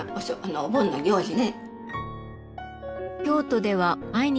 お盆の行事がね。